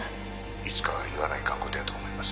いつか言わないかんことやと思います